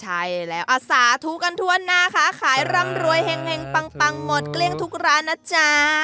ใช่แล้วอาสาธุกันทั่วหน้าค้าขายร่ำรวยแห่งปังหมดเกลี้ยงทุกร้านนะจ๊ะ